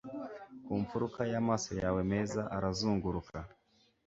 Ku mfuruka yamaso yawe meza arazunguruka